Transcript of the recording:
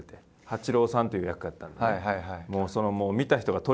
八郎さんという役やったんでね。